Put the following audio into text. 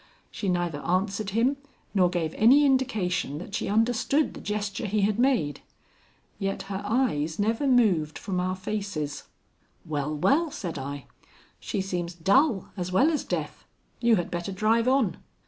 She neither answered him nor gave any indication that she understood the gesture he had made. Yet her eyes never moved from our faces. "Well, well," said I, "she seems dull as well as deaf. You had better drive on."